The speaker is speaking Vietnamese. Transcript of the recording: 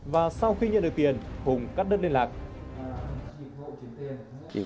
và sau khi nhận được tiền hùng cắt đất liên lạc